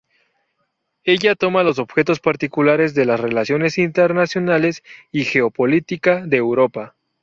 Ella toma los objetos particulares de las relaciones internacionales y geopolítica de Europa.